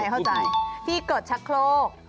เข้าใจพี่กดชักโครก